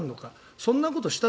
そんなことしたっ